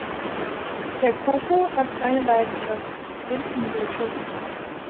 Der Koku hat eine Leidenschaft: den Umweltschutz.